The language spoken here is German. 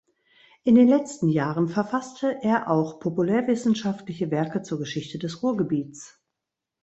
In den letzten Jahren verfasste er auch populärwissenschaftliche Werke zur Geschichte des Ruhrgebiets.